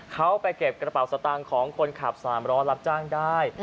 เขาไปเก็บกระเป๋าสตางค์ของคนขับสามล้อรับจ้างได้